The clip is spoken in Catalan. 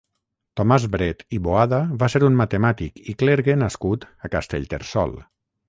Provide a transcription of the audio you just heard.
Tomàs Bret i Boada va ser un matemàtic i clergue nascut a Castellterçol.